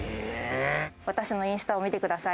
私のインスタを見てください。